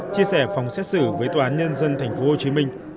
chia sẻ phòng xét xử với tòa án nhân dân tp hcm